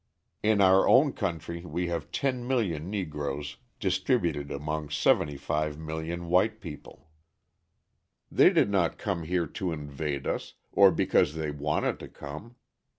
In our own country we have 10,000,000 Negroes distributed among 75,000,000 white people. They did not come here to invade us, or because they wanted to come.